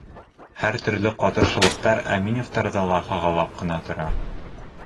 Һәр төрлө ҡытыршылыҡтар Әминевтәрҙе лә һағалап ҡына тора.